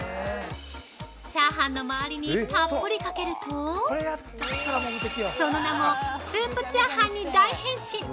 チャーハンの回りにたっぷりかけるとその名もスープチャーハンに大変身！